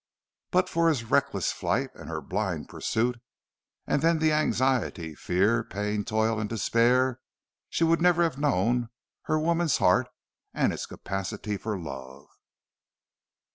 But for his reckless flight and her blind pursuit, and then the anxiety, fear, pain, toil, and despair, she would never have known her woman's heart and its capacity for love.